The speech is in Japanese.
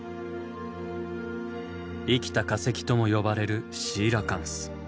生きた化石とも呼ばれるシーラカンス。